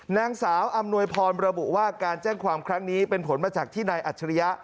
นางสาวอำนวยพรระบุว่าการแจ้งความครั้งนี้เป็นผลมาจากที่นายอัจฉริยะ